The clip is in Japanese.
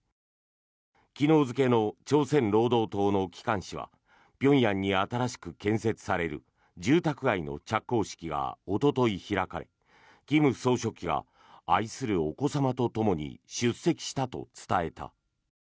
昨日付の朝鮮労働党の機関紙は平壌に新しく建設される住宅街の着工式がおととい開かれ金総書記が愛するお子様とともに出席したと伝えた。